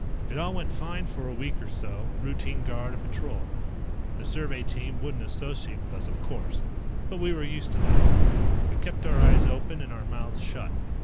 It all went fine for a week or so, routine guard and patrol. The survey team wouldn't associate with us, of course, but we were used to that. We kept our eyes open and our mouths shut.